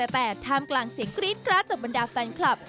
แต่ท่ามกลางเสียงกรี๊ดกราดจากบรรดาแฟนคลับ